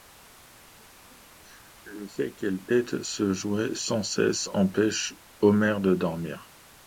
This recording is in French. Le fait qu'elle tête ce jouet sans cesse empêche Homer de dormir.